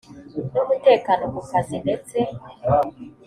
n umutekano ku kazi ndetse